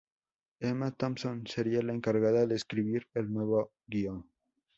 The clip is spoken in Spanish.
Emma Thompson sería la encargada de escribir el nuevo guion.